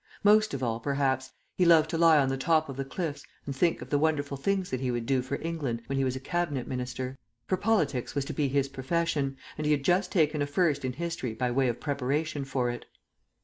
Most of all, perhaps, he loved to lie on the top of the cliffs and think of the wonderful things that he would do for England when he was a Cabinet Minister. For politics was to be his profession, and he had just taken a first in History by way of preparation for it.